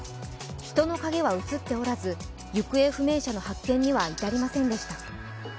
人の影は写っておらず行方不明者の発見には至りませんでした。